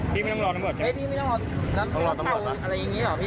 พี่ไม่ต้องรอตำรวจใช่ไหมต้องรอตำรวจนะอะไรอย่างงี้หรอพี่